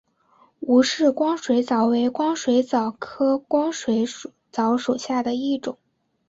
吴氏光水蚤为光水蚤科光水蚤属下的一个种。